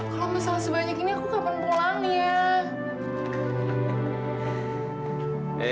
kalau misalnya sebanyak ini aku kapan pulang ya